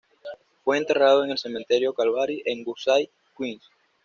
Fue enterrado en el Cementerio Calvary, en Woodside, Queens.